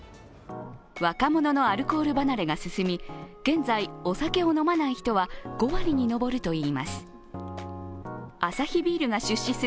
若者のアルコール離れが進み現在、お酒を飲まない人は５割に上るといいます。